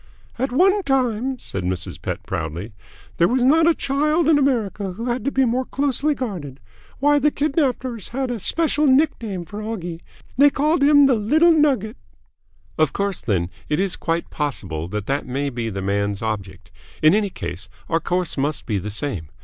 "At one time," said Mrs. Pett proudly, "there was not a child in America who had to be more closely guarded. Why, the kidnappers had a special nick name for Oggie. They called him the Little Nugget." "Of course, then, it is quite possible that that may be the man's object. In any case, our course must be the same.